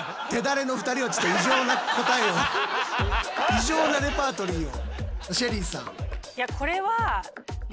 異常なレパートリーを。